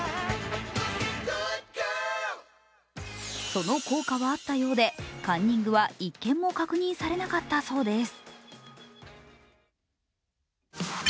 その効果はあったようでカンニングは１件も確認されなかったようです。